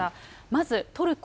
まず、トルコ。